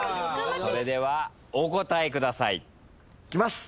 それではお答えください。いきます。